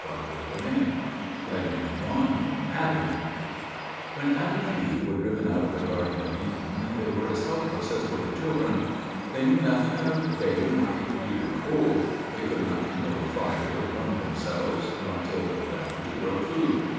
152 OLD TESTAMENT LEGENDS ADAM When Adam and Eve were driven out of the Garden of Eden, they were as helpless as little children. They knew nothing of day or night, heat or cold; they could not kindle a fire to warm themselves, nor till the ground to grow food.